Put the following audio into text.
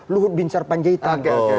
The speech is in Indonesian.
luhut binsar panjaitan